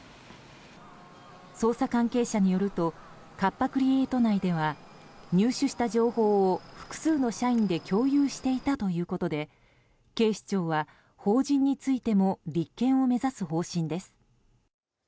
捜査関係者によるとカッパ・クリエイト内では入手した情報を複数の社員で共有していたということで警視庁は法人についても立件を目指す方針です。